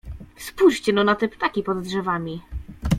"Spójrzcie no na te ptaki pod drzewami."